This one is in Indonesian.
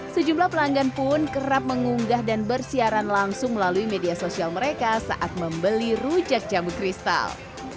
sejumlah pelanggan pun kerap mengunggah dan bersiaran langsung melalui media sosial mereka saat membeli rujak jambu kristal